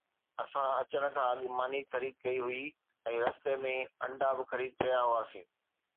اسان اچڻ کان اڳ ماني خريد ڪئي هئي ۽ رستي ۾ انڊا به خريد ڪيا هئاسين